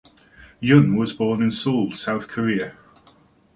Jun was born in Seoul, South Korea.